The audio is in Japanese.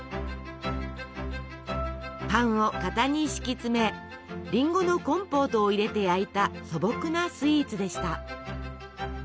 パンを型に敷き詰めりんごのコンポートを入れて焼いた素朴なスイーツでした。